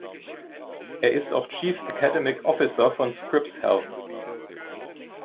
Er ist auch Chief Academic Officer von Scripps Health.